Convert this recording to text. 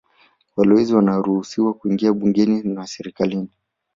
Walowezi waliruhusiwa kuingia bungeni na serikalini